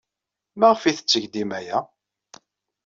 Maɣef ay tetteg dima aya?